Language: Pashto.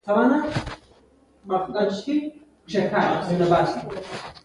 د مړي ښخول د اسلامي شریعت مهم رکن دی.